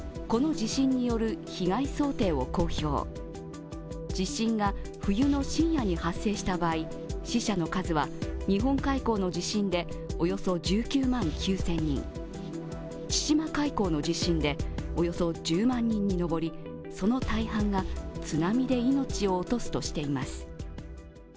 地震が冬の深夜に発生した場合、死者の数は日本海溝の地震でおよそ１９万９０００人千島海溝の地震でおよそ１０万人に上りその大半が津波で命を落とすとしています。